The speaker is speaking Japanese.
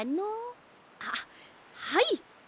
あっはい。